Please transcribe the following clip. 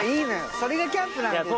それがキャンプなんですよ。